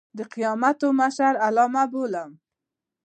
د قیامت او محشر علامه بولم.